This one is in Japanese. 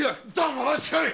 黙らっしゃれ！